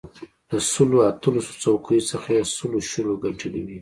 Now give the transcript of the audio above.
له سلو اتلسو څوکیو څخه یې سلو شلو ګټلې وې.